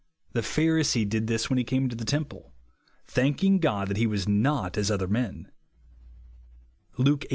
The Pharisee did this when he came into the temple, "thanking God that he was not as other men," (Luke xviii.